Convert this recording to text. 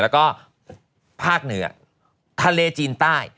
แล้วก็ภาคเหนือทะเลจีนใต้